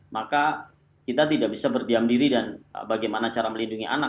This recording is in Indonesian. maka kita tidak bisa berdiam diri dan bagaimana cara melindungi anak